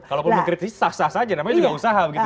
kalau mau mengkritik sah sah saja namanya juga usaha